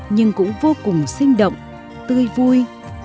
nhưng cũng vô cùng sinh động tươi vui